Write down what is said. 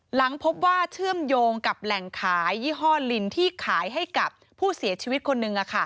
หลังพบว่าเชื่อมโยงกับแหล่งขายยี่ห้อลินที่ขายให้กับผู้เสียชีวิตคนหนึ่ง